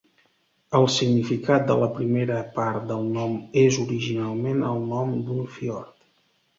El significat de la primera part del nom és originalment el nom d'un fiord.